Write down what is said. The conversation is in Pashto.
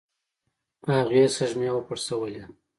هغې سږمې وپړسولې.